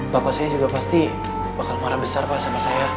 bapak saya juga pasti bakal marah besar pak sama saya